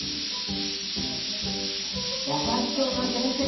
やさしそうなせんせい。